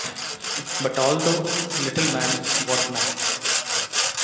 But, although Little Man, What Now?